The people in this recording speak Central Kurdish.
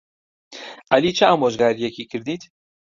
عەلی چ ئامۆژگارییەکی کردیت؟